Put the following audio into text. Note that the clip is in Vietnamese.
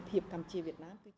hiệp campuchia việt nam